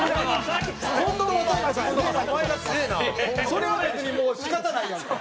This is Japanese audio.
それは別にもう仕方ないやんか。